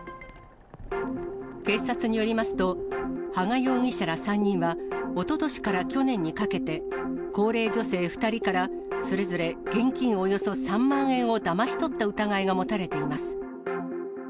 警察によりますと、羽賀容疑者ら３人は、おととしから去年にかけて、高齢女性２人からそれぞれ現金およそ３万円をだまし取った疑いが持たれています。